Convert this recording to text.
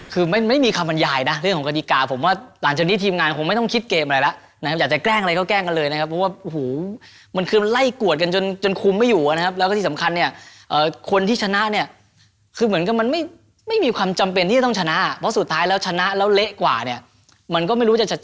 คือไม่มีคำบรรยายนะเรื่องของกฎิกาผมว่าหลังจากนี้ทีมงานคงไม่ต้องคิดเกมอะไรแล้วนะครับอยากจะแกล้งอะไรก็แกล้งกันเลยนะครับเพราะว่าโอ้โหมันคือมันไล่กวดกันจนจนคุมไม่อยู่นะครับแล้วก็ที่สำคัญเนี่ยคนที่ชนะเนี่ยคือเหมือนกับมันไม่มีความจำเป็นที่จะต้องชนะเพราะสุดท้ายแล้วชนะแล้วเละกว่าเนี่ยมันก็ไม่รู้จะชัด